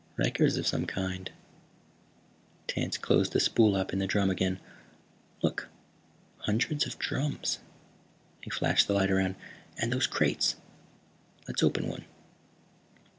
"Records of some kind." Tance closed the spool up in the drum again. "Look, hundreds of drums." He flashed the light around. "And those crates. Let's open one."